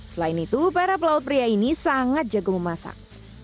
selain itu para pelaut pria ini sangat jago memasak